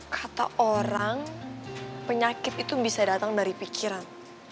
kata orang penyakit itu bisa datang dari pikiran